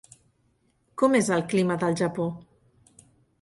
Com és el clima del Japó?